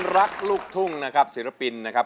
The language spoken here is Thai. อยากจ้าสังตารคนะคะศิลปินนะครับ